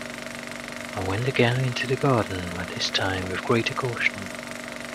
I went again into the garden, but this time with greater caution.